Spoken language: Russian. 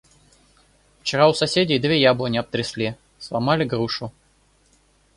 – Вчера у соседей две яблони обтрясли, сломали грушу.